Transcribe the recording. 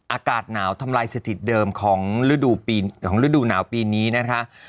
อากาศหนาวทำลายสถิตเดิมของฤดูของฤดูหนาวปีนี้นะคะ